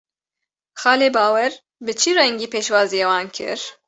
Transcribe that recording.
Xalê Bawer bi çi rengî pêşwaziya wan kir?